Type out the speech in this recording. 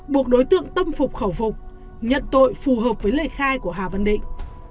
buộc đối tượng tâm phục khẩu phục nhận tội phù hợp với lời khai của hà văn định